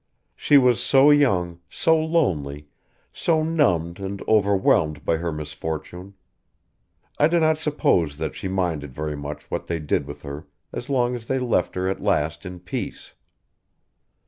She was so young, so lonely, so numbed and overwhelmed by her misfortune. I do not suppose that she minded very much what they did with her as long as they left her at last in peace.